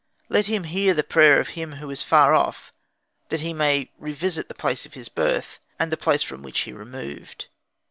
Let him hear the prayer of him who is afar off, that he may revisit the place of his birth, and the place from which he removed.